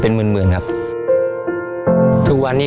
โปรดติดตามตอนต่อไป